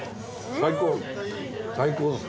最高です。